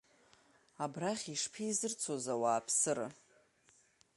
Абрахь ишԥеизырцоз ауааԥсыра?